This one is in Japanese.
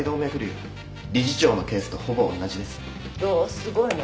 すごいの？